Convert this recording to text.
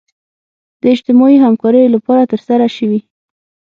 د اجتماعي همکاریو لپاره ترسره شوي.